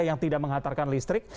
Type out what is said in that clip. yang tidak menghantarkan listrik